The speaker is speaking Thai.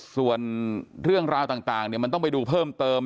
ส่วนเรื่องราวต่างมันต้องไปดูเพิ่มเติม